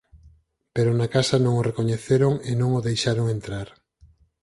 Pero na casa non o recoñeceron e non o deixaron entrar.